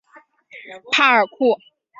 帕尔库。